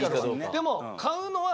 でも。